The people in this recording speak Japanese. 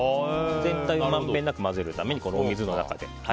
全体にまんべんなく混ぜるためにお水の中で。